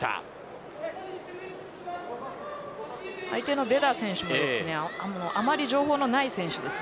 相手のベダー選手ですがあまり情報のない選手です。